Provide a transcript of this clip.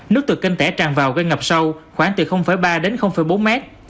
nước từ kênh tẻ tràn vào gây ngập sâu khoảng từ ba đến bốn mét